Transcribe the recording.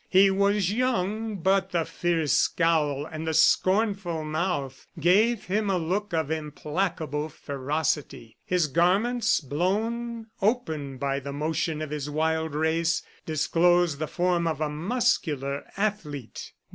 He was young, but the fierce scowl and the scornful mouth gave him a look of implacable ferocity. His garments, blown open by the motion of his wild race, disclosed the form of a muscular athlete.